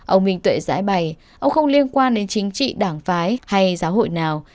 ông minh tuệ giải bài ông không liên quan đến chính trị đảng phái hay giáo hội nào